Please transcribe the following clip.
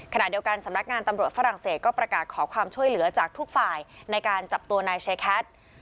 ขณะเดียวกันสำนักงานตำรวจฝรั่งเศสก็ประกาศขอความช่วยเหลือจากทุกฝ่ายในการจับตัวนายเชแคท